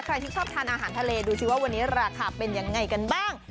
ที่ชอบทานอาหารทะเลดูสิว่าวันนี้ราคาเป็นยังไงกันบ้าง